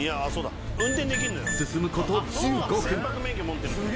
［進むこと１５分］